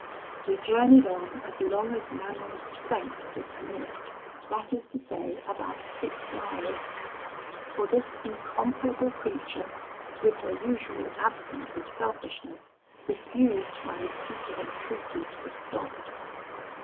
"We journeyed on as long as Manon's strength would permit, that is to say, about six miles; for this incomparable creature, with her usual absence of selfishness, refused my repeated entreaties to stop.